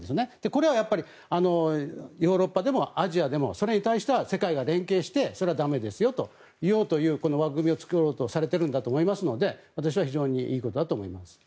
これはヨーロッパでもアジアでもそれに対しては世界が連携してそれは駄目ですよと言おうという枠組みを作ろうとされていますので私は非常にいいことだと思います。